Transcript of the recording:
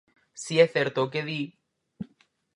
Si é certo o que di.